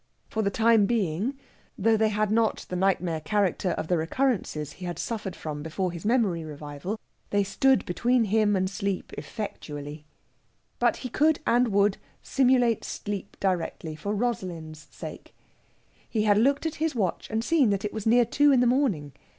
For the time being, though they had not the nightmare character of the recurrences he had suffered from before his memory revival, they stood between him and sleep effectually. But he could and would simulate sleep directly, for Rosalind's sake. He had looked at his watch and seen that it was near two in the morning.